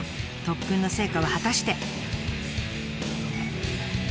特訓の成果は果たして。